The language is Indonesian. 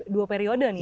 dua periode nih ya kan